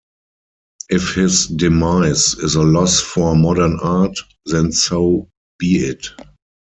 If his demise is a loss for modern art, then so be it.